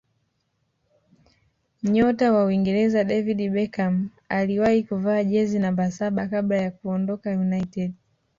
nyota wa uingereza david beckham aliwahi kuvaa jezi namba saba kabla ya kuondoka united